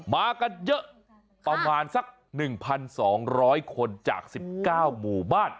มากันเยอะประมาณสัก๑๒๐๐คนจาก๑๙หมู่บ้าน